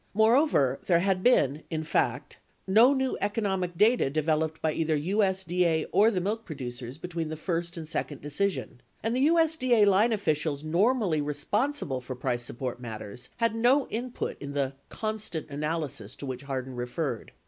Moreover, there had, in fact, been no new economic data devel oped by either USDA or the milk producers between the first and second decision, 12 and the USDA line officials normally responsible for price support matters had no input in the "constant analysis" to which Hardin referred.